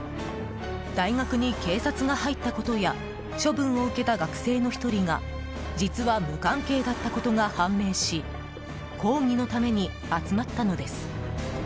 大学に警察が入ったことや処分を受けた学生の１人が実は無関係だったことが判明し抗議のために集まったのです。